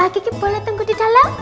kiki boleh tunggu di dalam